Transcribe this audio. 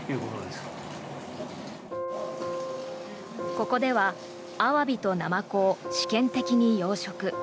ここではアワビとナマコを試験的に養殖。